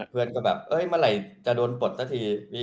เมื่อไหร่จะโดนปลดซะที